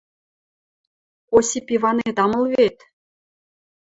Осип Иванет ам ыл вет.